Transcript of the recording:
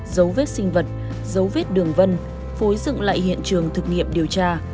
dấu vết sinh vật dấu vết đường vân phối dựng lại hiện trường thực nghiệm điều tra